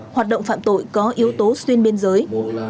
hoạt động phạm tội có yếu tố xuyên biên giới